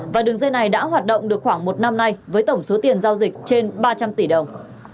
và đường dây này đã hoạt động được khoảng một năm nay với tổng số tiền giao dịch trên ba trăm linh tỷ đồng